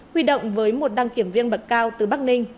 huy động với một đăng kiểm viên bậc cao từ bắc ninh